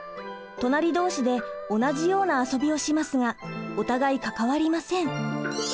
隣同士で同じような遊びをしますがお互い関わりません。